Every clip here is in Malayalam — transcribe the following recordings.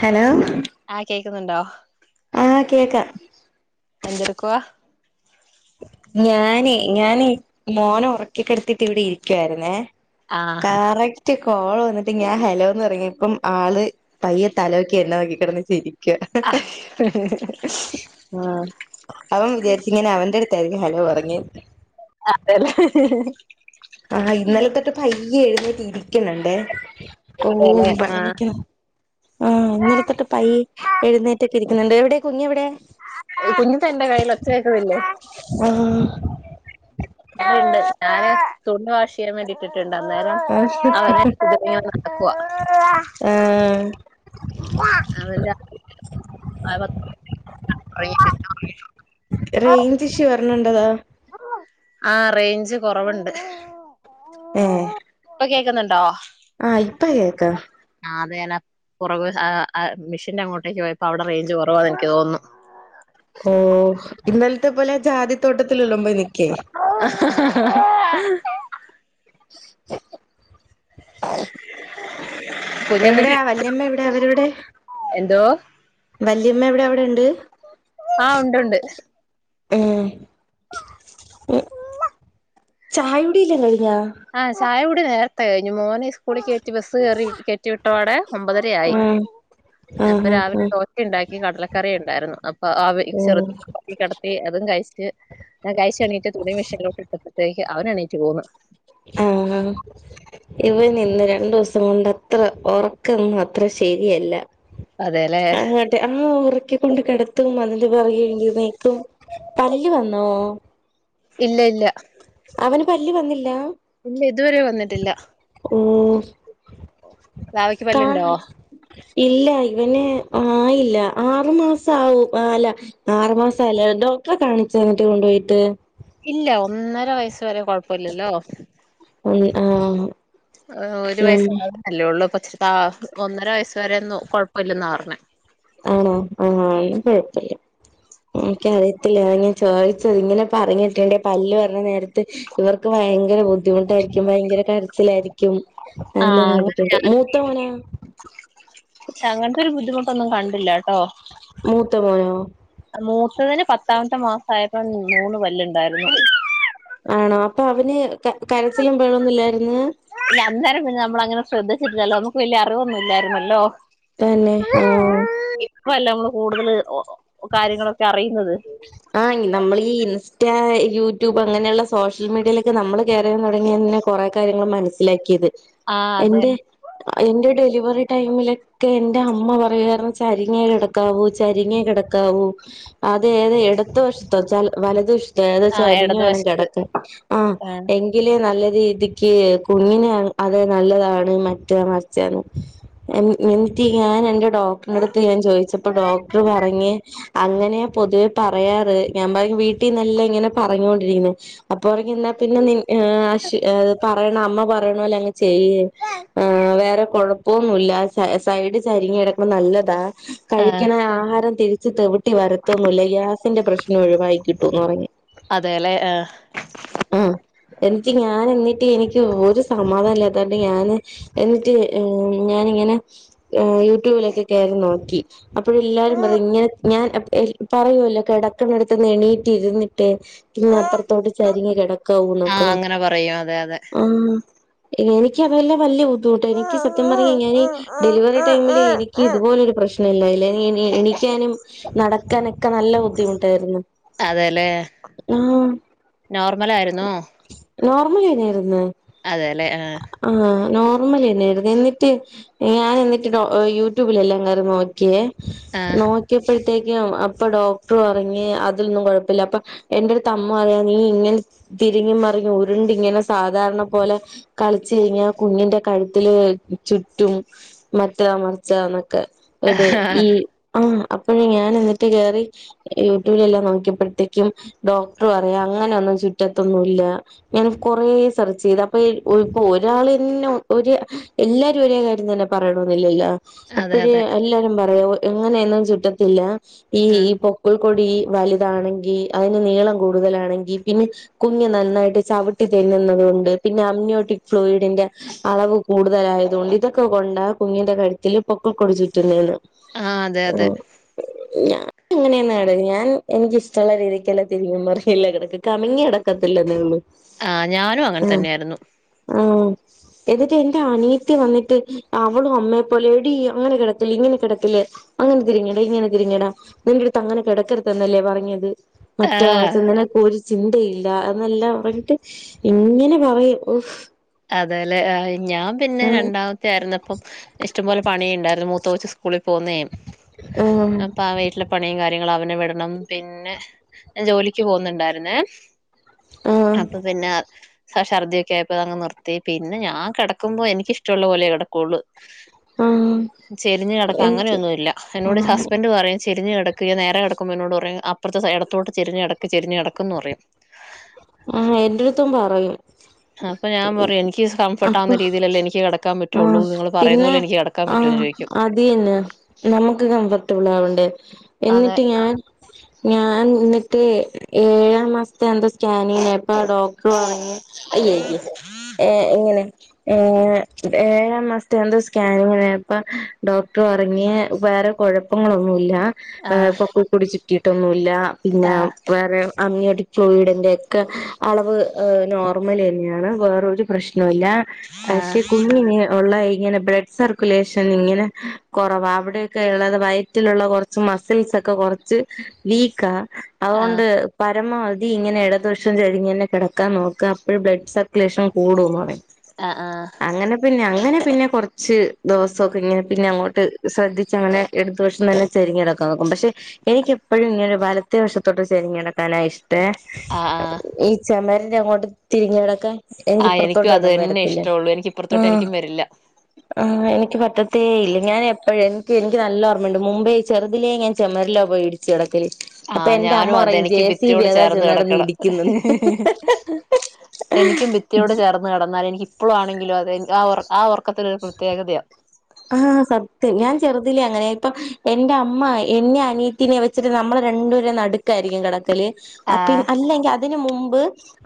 ഹലോ കേൾക്കുന്നുണ്ടോ ആഹ് കേക്ക എന്തെടുക്കുവാ ഞാനെ ഞാന് മോനെ ഉറക്കിക്കിടത്തീട്ടിവിടെ ഇരിക്കുവായിരുന്നേ ആഹ് കറക്റ്റ് കോള് വന്നിട്ട് ഞാൻ ഹെലോന്ന് പറഞ്ഞപ്പം ആള് പയ്യെ തലപൊക്കി എന്നെ നോക്കിക്കിടന്ന് ചിരി ആഹ് അവൻ വിചാരിച്ചു ഞാൻ അവന്റെടു ഹലോ പറഞ്ഞേ അതെ ലെ ആഹ് ഇന്നലെ തൊട്ട് പയ്യെ എഴുന്നേറ്റി രിക്കുന്നുണ്ടെ ഓ അതെല്ലേ വെള്ളം ആഹ് വെക്കണോ ആഹ് ഇന്നലെ തൊട്ട് പയ്യേ എഴുന്നേറ്റൊക്കെ ഇരിക്കുന്നുണ്ട് എവിടെ കുഞ്ഞെവിടെ കുഞ്ഞിതാ എൻ്റെ കയ്യിൽ ഒച്ച കേക്കുന്നില്ലേ ആഹ് ഇണ്ട് ഞാന് തുണി വാഷ് ചെയ്യാൻ വേണ്ടിട്ടിട്ട്ണ്ട് അന്നേരം ആഹ് അവനെ കൊണ്ടന്നു ഞാൻ നടക്കുവാ അവൻ രാത്രി ആകെ പത്ത് മിനിട്ട് ഉറങ്ങീട്ടുള്ളു റേഞ്ച് [unintelligible] ആ റേഞ്ച് കൊറവ്ണ്ട്. ഏഹ് ഇപ്പൊ കേ ക്കുന്നുണ്ടോ ആഹ് ഇപ്പ കേക്കാ അത് ഞാനാ പുറക് ആഹ് മെഷീന്റെ അങ്ങോട്ടേക്ക് പോയപ്പോ അവിടെ റേഞ്ച് കുറവാന്ന് എനിക്ക് തോന്നുന്നു ഓഹ് ഇന്നലത്തെ പോലെ ജാതിത്തോട്ടത്തിലല്ലും പോയി നിക്ക് ഹ ഹ ഹ [inaudible] [inaudible] കുഞ്ഞെന്നിട്ട് എവിടെയാ വല്യമ്മ എവിടെ അവരെവിടെ എന്തോ വല്യമ്മ എവിടെ അവിടെ ഉണ്ട് ആ ഉണ്ടുണ്ട് ഉം ചായകുടിയെല്ലാം കഴിഞ്ഞ് ആ ചായ കുടി നേരത്തെ കഴിഞ്ഞു മോനെ സ്കൂളിൽ കയറ്റി ബസ്സ് കറി കയറ്റി വിട്ടപാടെ ഒമ്പതരയായി ഉം അപ്പൊ ആഹ് ആഹ് രാവിലെ ആഹ് ദോശ ഉണ്ടാക്കി കടലക്കറി ഉണ്ടായിരുന്നു അപ്പൊ ആ ഉം ചെറുത് ക കടത്തി അതും കഴിച്ച് ഞാൻ കഴിച്ച എണീട്ട് തുണി മെഷിനിലേയ്ക്ക് ഇട്ടപ്പോഴേക്കും അവനണീറ്റ് പോന്ന് ആ ഇവനി നിന്ന് രണ്ടു ദിവസം കൊണ്ട്ത്ര ഉറക്കൊന്നും അത്ര ശരിയല്ല അതേല്ലേ ആങ്ങട്ടെ ആ ഉറക്കിക്കൊണ്ട് കിടത്തും അതിന്റെ പുറകെ എണീക്കും പല്ല് വന്നോ ഇല്ല ഇല്ല അവന് പല്ല് വന്നില്ല ഇല്ല ഇതുവരെ വന്നിട്ടില്ല ഓ ബാവയ്ക്ക് കാ പല്ലുണ്ടോ ഇല്ല ഇവനെ ആയില്ല ആറു മാസം ആവും അല്ല ആറു മാസല്ല ഡോക്ടറെ കാണിക്ക ചങ്ങിട്ട് കൊണ്ടുപോയിട്ട് ഇല്ല ഒന്നര വയസ് വരെ കൊഴപ്പില്ലല്ലോ ആഹ ഒരു വയസ് ആവുന്നല്ലേയുള്ളു അഹ് ഒന്നര വയസ് വരെ ഒന്നും കൊഴപ്പമില്ലെന്ന പറഞ്ഞേ കുഴപ്പില്ലക്ക അറിയത്തില്ല ഞാൻ ചോദിച്ചത് ഇങ്ങനെ പറഞ്ഞിട്ടേണ്ട പല്ല് പറഞ്ഞ നേരത്തെ ഇവർക്ക് ഭയങ്കര ബുദ്ധിമുട്ടായിരിക്കും ഭയങ്കര കരച്ചിലായിരിക്കും നല്ല ആഹ് നട്ടിട്ടുണ്ട് മൂത്ത മോന് പക്ഷെ അങ്ങനത്തെരു ബുദ്ധിമുട്ടൊന്നും കണ്ടില്ല ട്ടോ മുത്തമോനോ മൂത്തതിന് പത്താമത്തെ മാസയപ്പോ മൂന്ന് പല്ല് ഉണ്ടായിരുന്നു ആണോ അപ്പൊ അവന് കരച്ചിലും ബഹളൊന്നും ഇല്ലായിരുന്നു അന്നേരം പിന്നെ നമ്മള അങ്ങനെ ശ്രദ്ധിച്ച ഇരില്ലോ നമുക്ക് വലിയ അറിവില്ലായിരുന്നല്ലോ തന്നെ ആഹ ഇപ്പല്ല നമ്മള് കൂടുതൽ കാര്യങ്ങളൊക്കെ അറിയുന്നത് ആനമ്മള് ഈ മറ്റേ യൂട്യൂബ് അങ്ങനെയുള്ള സോഷ്യൽ മീഡിയയിലൊക്കെ നമ്മൾ കയറാൻ തുടങ്ങിയ തന്നെ കുറേ കാര്യങ്ങൾ മനസ്സിലാക്കിയത് ആ അതെ എന്റെ എന്റെ ഡെലിവറി ഡെലിവറി ടൈമിലൊക്കെ എന്റെ അമ്മ പറയുവായിരുന്നു ചരിഞ്ഞേ കിടക്കാവൂ ചരിഞ്ഞേ കിടക്കാവൂ അതെ ഏത ഇടത്ത് വശത്തോ വലതു വശത്തോ ഏതാ ആ ചരിഞ്ഞു വേണം ഇടതുവശത്ത് കിടക്കാൻ ആഹ് ആ എങ്കിലേ നല്ല അ രീതിക്ക് കുഞ്ഞിനെ അത് നല്ലതാണ് മറ്റ മറച്ചന്ന് എന്നിട്ട് ഞാൻ എന്റെ ഡോക്ടറിന്റെ അടുത്ത് ഞാൻ ചോദിച്ചപ്പോ ഡോക്ടർ പറഞ്ഞ് അങ്ങനെയാ പൊതുവെ പറയാറ് ഞാൻ പറ വീട്ടിൽന്നല്ലാം ഇങ്ങനെ പറഞ്ഞോണ്ടിരിക്കുന്നു അപ്പൊ ഉറങ്ങിന്നാൽ പിന്നെ [unintelligible] ശ പറയണ അമ്മ പറയണപോലെ അങ്ങ് ചെയ്യേ വേറെ കുഴപ്പൊന്നല്ല സൈഡ് ചെരി ഇരിങ്ങിടക്ക് നല്ലതാ ആ കഴിക്കണ ആഹാരം തിരിച് തെവിട്ടി വരത്തൊന്നില്ല ഗ്യാസിന്റെ പ്രശ്നം ഒഴിവായി കിട്ടന്ന് പറഞ്ഞു അതെല്ലേ ആഹ ആഹ എന്നിട്ട് ഞാൻ എന്നിട്ട് എനിക്ക് ഒരു സമാധാനംല്ലാതാണ്ട് ഞാാന് എന്നിട്ട് ഞാൻ ഇങ്ങനെ യൂട്യൂബിലൊക്കെ കയറി നോക്കി അപ്പോഴ എല്ലാരും പറയും ഇങ്ങനെ ഞാൻ പറയുമല്ലോ കിടക്കുന്നടുത്ത് എണീയിട്ടിരുന്നിട്ട് പിന്നെ അപ്പറ്ത്തോട്ട് ചരിഞ് കിടക്കാ ആ ഉണക്കെ അങ്ങനെ പറയും അതെ അതെ ആഹ് എനിക്ക വെല്ലാം പല്ലു തോട്ട് എനിക്ക് സത്യം പറഞ്ഞ [unintelligible] ഞാ ഡെലിവറിടൈമില് എനിക്ക് ഇതുപോലൊ ഒരു പ്രശ്നം നില്ലേ ലേല്ല എനിക്കേനും നടക്കാനൊക്ക നല്ല ബുദ്ധിമുട്ടായിരുന്നു ആഹ് നോർമലായിരുന്നോ നോർമൽ എനെയ് രുന്ന അതെല്ലേ ആഹ് നോർമലെന്നെണ് എന്നിട്ട് ഞാൻ എന്നിട്ട് യൂട്യൂബിലെല്ലാം കേറി നോക്കിയേ ആ നോക്ക്യയ പ്പെ ത്തേക്കും അപ്പെ ഡോക്ടർ പറ്ഞ്ഞ് അതൊന്നും കൊഴപ്പല്ല എന്റെട്ത്തമ്മ നീ ഇങ്ങനെ തിരിഞ്ഞു മറിഞ്ഞും ഉരുണ്ടിങ്ങനെ സാധാരണ പോലെ കളിച്ച്ങ്ങനെ കുഞ്ഞിന്റെ കഴുത്തില് ചുറ്റും മറ്റ മറ്ച്ച എന്നൊക്കെ ഇത് ഈ ആ അപ്പോഴും ഞാൻ എന്നിട്ട് കേറി യൂട്യൂബിലെല്ലാം നോക്കിയപ്പോഴത്തേക്കും ഡോക്ടറ അങ്ങനൊന്നും ചുറ്റത്തൊന്നുല്ല ഞാ കൊറേ സെർച്ച് ചെയ്ത് അപ്പൊയി ഒരാള ഒര് എല്ലാരും ഒരേ കാര്യം തന്നെ പറയണന്നില്ലല്ലോ അതെ അപ്പഴേ അതെ എല്ലാരും പറയൊ ഇങ്ങനെ ഒന്നും ചുറ്റത്തില്ല ആ ഈഈ പൊക്ക കൊടി വലുതാണെങ്കി അയ്ന് നീളം കൂടുതലാണെങ്കി പിന്നെ കുഞ്ഞു നന്നായിട്ട് ചവിട്ടി തിന്നുന്നത് കൊണ്ട് പിന്നെ അം നോട്ടിക് ഫ്ലോയിഡിന്റെ അളവ് കൂടുതലായത്‌കൊണ്ട് ഇതൊക്കെ കൊണ്ട കുഞ്ഞിന്റെ കഴുത്തില് പൊക്കക്കുഴിച്ചിറ്റ്ന്നന്ന് ആഹ് അതെ അതെ ഞാൻ എങ്ങനെയ ഞാൻ എനിക്ക് ഇഷ്ടമുള്ള രീതിക്ക്ക്കല്ലാം പറല്ല കിടക്ക് കമങ്ങി അടക്കത്തില്ല നിള് ആ ഞാനും അങ്ങനെ തന്നെയായിരുന്നു ആ എന്നിട്ട് എന്റെ അനിയത്തി വന്നിട്ട് അവളും അമ്മയെപ്പോലെ എടിീ അങ്ങനെ കിടക്ക ഇങ്ങനെ കിടക്കല് അങ്ങനെ തിരിങ്ങട ഇങ്ങനെ തിരിഞ്ഞടാ നിന്റെറ അടുത്ത് അങ്ങനെ കിടക്കരുത്തത്ന്നല്ലേ പറഞ്ഞത് മറ്റേ ആഹ് വസന്നെ കോരി ചിന്തയില്ല എന്നെല്ലാം പറഞ്ഞിട്ട് ഇങ്ങനെ പറയും അതല്ലെ ഞാൻ പിന്നെ ആഹ് രണ്ടാമത്തെ ആായിുന്ന അപ്പം ഇഷ്ടംപോലെ പണിയ ഉണ്ടായിരുന്നു മൂത്ത കൊച്ച് സ്കൂളിൽ പോകുന്നേും ആഹ് അപ്പ ആ വീട്ടിലെ പണിയും കാര്യങ്ങളും അവനെ വിടണം പിന്നെ ജോലിക്ക് പോകുന്നുണ്ടായിരുന്നേ ആഹ് അപ്പൊ പിന്നെ ഛർദിക്കെ ആയപ്പോ അ അങ് നിർത്ത മേ പിന്നെ ഞാൻകി ക്കുമ്പോൾ എനക്ക്ഷ്ടുള്ളപ പോലെ കിടക്കുള്ളള് ആഹ് ചെരിഞ്ഞ് കിടക്കാ എനിക്ക് അങ്ങനെയൊന്നുമല്ല എന്നോട് ആഹ് ഹസ്ബൻഡ് പറയും ചെരിഞ്ഞഞ് കിടക്ക നേരെ കടക്കുമ്പോൾ എന്നോട് പറയും അപ്പുത്തെ ഇടത്തോട്ട് ചരിഞ്കിടക്ക് ചെരിഞ്ടക്കന്ന് പറയും ആഹ് എന്റെടുത്തും പറയും ഉ അപ്പൊ ഞാൻ പറയും എനിക്ക് കഫർട്ട് ആവു ന്ന അപ്പൊ രീതിയിലല്ല എനിക്ക് കിടാൻ പറ്റയുള്ളൂ നിങ്ങള് പറയുന്ന പോലെ എക്ക് കിടാൻ പറ്റുമോ ചോദി ക്കും അത് തന്നെ നമുക്ക് കംഫർട്ടബിൾ ആവണ്ടേ അതെ എന്നിട്ട് ഞാൻ ഞാൻ എന്നിട്ട് ഏഴാം മാസത്തെ എന്താ സ്കാനി ഇപ്പ ഡോക്ടർ പറഞ്ഞു അയ്യയോ ഏ ഇങ്ങനെ ഏ ഏഴാം മാസത്തെ എന്തോ സ്കാനിങ്പ്പ ഡോക്ടർപറഞ്ഞെ വേറെ കുഴപ്പങ്ങളൊന്നുമല്ല ആ പൊക്കൾ കൊടി ചുറ്റിയിട്ടൊന്നുമല്ല പിന്നെ ആ വേറെ അമ്മിയടി ക്ലോയിറെ െഅളവ്നോർമൽ തന്നെയാണ് വേറരു പ്രശ്ന ല്ല ആ പക്ഷെ കുഞ്ഞിന് ഉള്ള ഇനെ ബ്ലഡ് സർക്കുലേഷൻ ഇങ്ങനെ കുറവാ അവിടെക്കെ ഉള്ളത് വയറ്റിലുള്ള കുറ മസിൽ തൊക്ക് കൊറച്ച് വീക്കാ ആ ആ അതുകൊണ്ട് പരമാവധി ഇങ്ങനെ എട ടതുവശം ചരിഞ്ഞു തന്നെ കെടക്കാൻ നോക്കുക അപ്പളേ ബ്ലഡ് സർക്കുലേഷൻ കൂടൂ മോളെ ആ അങ്ങനെ പിന്നെ അങ്ങനെ പിന്നെ കൊറച്ച് ദെവസൊക്കെ ഇങ്ങനെ പിന്നെ അങ്ങോട്ട് ശ്രദ്ധി ച്ചങ്ങനെ ഇടതു വശം തന്നെ ചെരിഞ്ഞ് കെടക്കാൻ നോക്കും പക്ഷെ എനിക്കെപ്പഴും ഇങ്ങനെ വലത്തെ വശത്തോട്ട് ചെരിഞ്ഞ്കെടക്കാനാ ആണേ ഇഷ്ടം ആ ആ ഈ ചൊമരിന്റെ അങ്ങോട്ട് തിരിഞ്ഞുകെടക്കാൻ ആ എനിക്കും അത് വേലിക്കിപ്പറത്തോട്ടെങ്ങും തന്നെ വരത്തില്ലേ ഇഷ്ടമുള്ളൂ എനിക്ക് ആ ഇപ്പുറത്തോട്ട് എനിക്കും വരില്ല ആ വേലി എനിക്ക് പറ്റത്തേ ഇല്ല ഞാൻ എപ്പഴും എനിക്ക് എനിക്ക് നല്ല ഓർമ്മയുണ്ട് മുമ്പേ ഈ ചെറുതിലെ ഞാൻ ചെമരിലാ പോയി ഇടിച്ച് കെടക്കു ആ അപ്പൊ എന്റെ അമ്മ ഞാനും അതെ പറയും ജെ എനിക്ക് സി ഭിത്തിയോട് വേദാ ചേർന്ന് ചെന്ന് നടന്ന് കിടക്കണം ഇടി എനിക്കും ഭിത്തിയോട് ചേർന്ന് കെടന്നാ അല്ല എനിക്കിപ്പഴാണെങ്കിലും അതെ ആ ഒറക്ക ആ ഒറക്കത്തിനൊരു പ്രത്യേകതയാ ആ സത്യം ഞാൻ ചെറുതിലേ അങ്ങനെയാ ഇപ്പൊ എന്റെ അമ്മ എന്നെം അനിയത്തീനെം വെച്ചിട്ട് നമ്മളെ രണ്ടു ടേം നടുക്കാരിക്കും കെടക്കല് ആ പിൻ അല്ലെങ്കിൽ അ അതിന് മുമ്പ്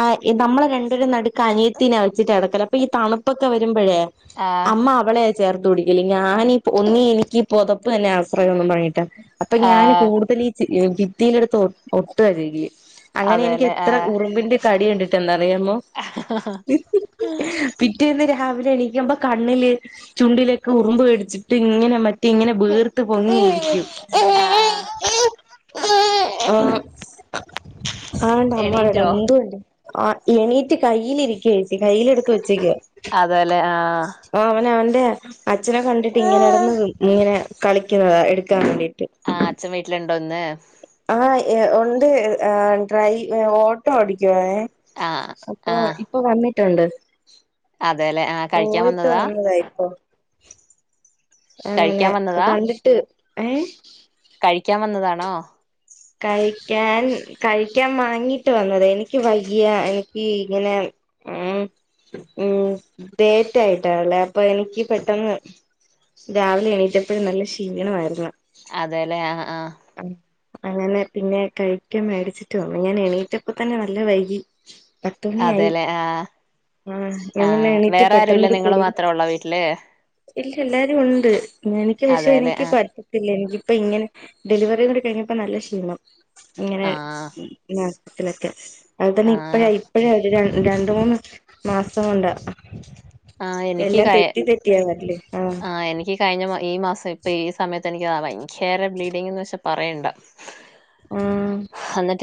ആ ഈ നമ്മള് രണ്ടുപേർടേം നടുക്ക് അനിയത്തിനെ വെച്ചിട്ടാ കെടക്കല് അപ്പൊ ഈ തണുപ്പൊക്കെ വരുമ്പഴേ ആ അമ്മ അവളെയാ ചേർ തുടിക്കില്ല ഞാനീ ഒന്നി എനിക്കീ പൊതപ്പ് തന്നെയാ ആശ്രയം ഒന്ന് പങ്ങിയിട്ട് അപ്പൊ ആ ഞാൻ കൂടുതലീ ച് ഭിത്തീടടുത്ത് ഒട്ടുവാ ശെരിക്ക് അങ്ങനെ എനിക്ക് അതെല്ലേ ആ എത്ര ഉറുമ്പിന്റെ കടി കിട്ടിട്ടൊണ്ട് അറിയാമോ പിറ്റേന്ന് രാ രാവിലെ എണീക്കുമ്പം കണ്ണില് ചുണ്ടിലൊക്കെ ഉറുമ്പ് കടിച്ചിട്ട് ഇങ്ങനെ മറ്റേ ഇങ്ങനെ വീർത്ത് വീർത്തു പൊങ്ങിയിരിക്കു ആ ആ ആ ആണ്ട് അമ്മ്മടടെ എണീറ്റോ മുന്തുണ്ടേ ആ എണീറ്റ് കയ്യിലിരിക്കേ കയ്യില എടുത്ത വെച്ചേക്ക് അതെല്ലേ ആ അവന അവന്റെ അച്ഛനെ കണ്ടിട്ട് ഇങ്ങനെ ഇടന്ന് ഇങ്ങനെ കളിക്കുന്നതാണ് എടുക്കാൻ വേണ്ടിട്ട് ആഹ് അച്ഛൻ വീട്ടിലിണ്ടോ ഒന്ന് ആ ഉണ്ട് ഡ്രൈവ ഓട്ടോ ഓടിക്കുവണേ ആ അപ്പൊ ആ ഇപ്പൊ വന്നിട്ടുണ്ട് അതെല്ലെ ആ കഴിക്കാൻ പോയിട്ട് വന്നതാ വന്നതായിക്കോ അങ്ങനെ കഴിക്കാൻ വന്നതാ കണ്ടിട്ട് ഏ കഴിക്കാൻ വന്നതാണോ ഞാൻ കഴിക്കാൻ വാങ്ങിട്ട് വന്നത് എനിക്ക് വലിയ എനിക്ക് ഇങ്ങനെ ഉ ഉം ഡേറ്റ് ആയിട്ടാല്ലേ അപ്പൊ എനിക്ക് പെട്ടെന്ന് രാവിലെ എണീറ്റപ്പോഴും നല്ല ക്ഷീണമായിരുന്നു അതെല്ലേ ആ ആഹ അങ്ങനെ പിന്നെ കഴിക്ക മേടിച്ചിട്ട് വന്നു ഞാൻ എണീറ്റപ്പ തന്നെ നല്ല വൈകി പത്തുമണിയായി അതെല്ലേ ആഹ ആ ഞാൻ പിന്നെ ആഹ എണീറ്റ് വേറെ ആരു ഇല്ല പെട്ടെന്നൊരു നിങ്ങള്ൾ കുളി മാത്രേ ഉള്ള വീട്ടില് ഇല്ല എല്ലാരും ഉണ്ട് എനക്ക് പശേ അതെല്ലെ എനിക്ക് ആ പറ്ററ്റത്തില്ല എനിക്ക് ഇപ്പ ഇങ്ങനെ ഡെലിവറിന്ന് കഴിഞ്ഞപ്പോ നല്ല ക്ഷീണം ഇങ്ങനെ ആ ൊക്കെ അത് തന്നെ ആ ഇപ്പഴ ഇപ്പഴേ ഒരു ര രണ്ട മൂന്ന് മാസം കൊണ്ട് ആ എനിക്ക് എല്ലാം കഴി തെറ്റി തെറ്റിയാ വറല്ലേ ആഹ ആ എനിക്ക് കഴിഞ്ഞ മാ- ഈ മാസം ഇപ്പം ഈ സമയത്ത് എനിക്ക്താണ് ഭയങ്കര ബ്ലീഡിങ് എന്ന് വെച്ചൽ പറയേണ്ട ആഹ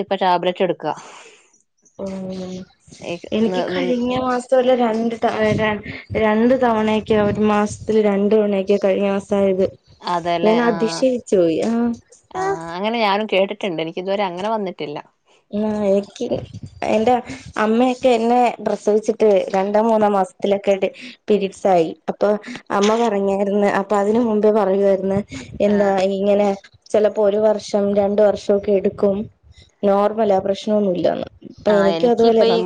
ഇപ്പൊ ടാബ്ലറ്റ് എടുക്ക ഓ എനിക്ക് കഴിഞ്ഞ മാസംല്ല രണ്ട് ത രണ്ട തവണൊക്കെയ ഒരു മാസത്തില് രണ്ടു തവണയൊക്കെയ കഴിഞ്ഞ മാസം അതായത് അതെല്ലെ ഞാൻ ആ അതിശയിച്ചു പോയി ആ ഇണ്ട് എനിക്ക് ഇതുവരെ അങ്ങനെ വന്നിട്ടില്ല ആ എനിക്ക് എറെ അമ്മയൊക്കെ എന്നെ ഡ്രസ് വെച്ചിട്ട് രണ്ടാം മൂന്നാം മാസ രീ ആായി അപ്പൊ അമ്മ പറഞ്ഞരുന്നു അപ്പൊ അതിനന് മുമ്പേ പറയു എന്താ ഇങ്ങനെ ചെപ്പോ ഒരു വർഷം രണ്ട വർഷംമൊക്കെ എടുക്കും നോർമല ആ പ്രശ്നമൊന്നുമല്ലന്ന് ആഹ എനിക്ക് പ്പൊ ഈ.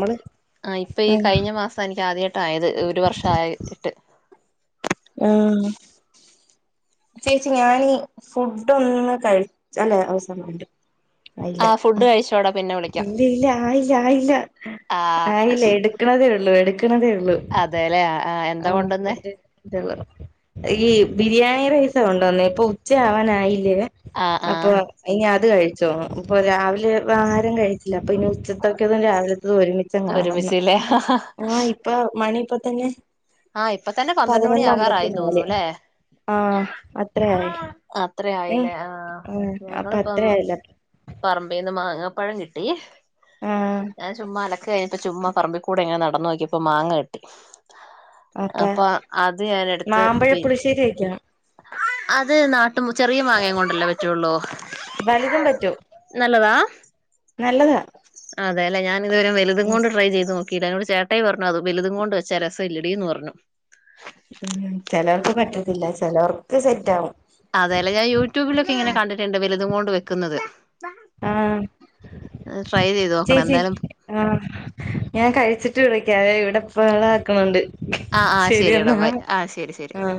ആ ഇപ്പൊ ഈ കഴിഞ്ഞ മാസാ എനിക്ക് ആദ്യയിട്ട് ആയത് ഒരു വർഷായിട്ട്. ആഹ് ചേച്ചി ഞാനീ ഫുഡോന്ന് കഴിച്ച അല്ല [unintelligible] വേണ്ട ആഹ് ഫുഡ് കഴിച്ചോട. ഇല്ല ഇല്ല ആയില്ല ആയില്ല. ആ ആയില്ല എടുക്കണതള്ളു എടുക്കണതേ ള്ളു. അതെല്ലേ ആ എന്താ ആഹ കൊണ്ടുവന്നേ ഫുഡ്‌ ഈ ബിരിയാണി റൈസ് ച്ച കൊണ്ടുവന്നേ ഇപ്പൊ ഉച്ച ആവാനായില്ലേ ആ ആ അപ്പൊ ഇനി അത് കഴിച്ചോന്ന്. അപ്പോ രാവിലെ ആരും കഴിച്ചില്ല. പ്പനി ഉച്ചത്തൊക്കെതും രാവിലത്തതും ഒരുമിച്ചാകാന്ന് ഒരുമിച്ചില്ലേ ആ ഇപ്പ മണിപ്പ ന്നെ ആഹ് ഇപ്പ തന്നെ പന്ത്രണ്ട് മണി ആകാറായി തോന്നുന്നു ല്ലെ? ആഹ അത്രയായി. അത്രേ ഏ ആയില്ലേ ആ ഉം അപ്പൊ അത്രയായല്ലോ? പറമ്പിന്ന് മാങ്ങപ്പഴം കിട്ടി ആഹ് ഞാൻ ചുമ്മാ അലക്ക് കഴിഞ്ഞ ഇപ്പൊ ചുമ്മാ പറമ്പിക്കൂടെ ഇങ്ങനെ നടന്നു നോക്കിയപ്പോ മാങ്ങ കിട്ടി. അപ്പ അപ്പൊ അത് ഞാൻ എടുത്ത് മാമ്പഴ പി പുളിശ്ശേരി വെക്കണം അത് നാട്ട ട്ടും ചെറിയ മാങ്ങയും കൊണ്ടല്ലേ പ റ്റൊള്ളു. വലുതും പറ്റും നല്ലതാ നല്ലതാ അതെലെ ഞാനിതുവരെ വലുതും ഉം കൊണ്ട് ട്രൈ ചെയ്ത് നോക്കി കീടനോട് ചേട്ടായി പറഞ്ഞു അത് വലുതും കൊണ്ട് വെച്ച രസംല്ലടിന്ന് പറഞ്ഞു ഉം. ചെലവർക്ക് പറ്റത്തില്ല ചെലവർക്ക് സെറ്റാകും. അതേലേ? ഞാൻ യൂട്യൂബിലൊക്കെ ങ്ങനെ കണ്ടിട്ടുണ്ട് വലുതും കൊണ്ട് വെക്കുന്നത്. ആആ ഹ്. ട്രൈ ചെയ്ത് നോക്കണം ചേച്ചി എന്തായാലും ആ ഞാൻ കഴിച്ചിട്ട് വിളിക്കാവേ ഇവിടെ ഇപ്പ വളെ ആക്ക്ണണ്ട്‌. ആഹ ആഹ ശരി എടാ ബായ് ആഹ ശരി ശരി. ആഹ്